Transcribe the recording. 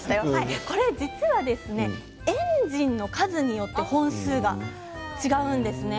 実はエンジンの数によって本数が違うんですね。